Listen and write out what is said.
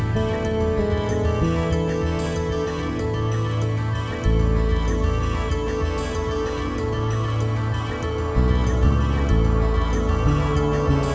butuh tempo tempat pendapat